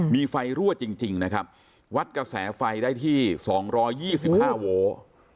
มีไฟรั่วจริงจริงนะครับวัดกระแสไฟได้ที่สองรอยยี่สิบห้าโวลด์